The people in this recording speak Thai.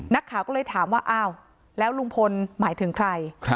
นักข่าวก็เลยถามว่าอ้าวแล้วลุงพลหมายถึงใคร